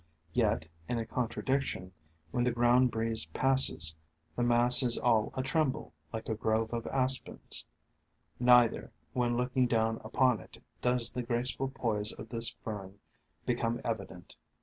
Yet, in con tradiction, when the ground breeze passes, the mass is all a tremble, like a grove of Aspens. Neither, when looking down upon it, does the THE FANTASIES OF FERNS 2OQ graceful poise of this Fern become evident.